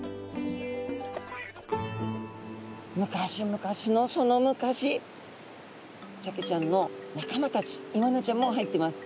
昔昔のその昔サケちゃんの仲間たちイワナちゃんも入ってます。